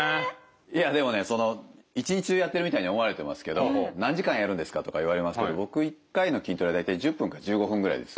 いやでもね一日中やってるみたいに思われてますけど「何時間やるんですか？」とか言われますけど僕１回の筋トレで大体１０分か１５分ぐらいです。